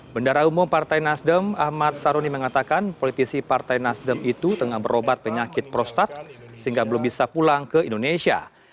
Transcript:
bendara umum partai nasdem ahmad saroni mengatakan politisi partai nasdem itu tengah berobat penyakit prostat sehingga belum bisa pulang ke indonesia